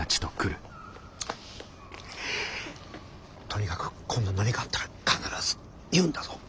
とにかく今度何かあったら必ず言うんだぞ。